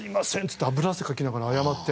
って脂汗かきながら謝って。